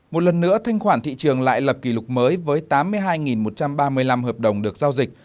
một lần nữa thanh khoản thị trường lại lập kỷ lục mới với tám mươi hai một trăm ba mươi năm hợp đồng được giao dịch